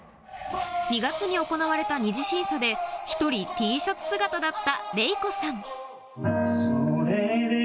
２月に行われた２次審査で１人 Ｔ シャツ姿だった